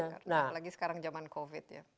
apalagi sekarang zaman covid ya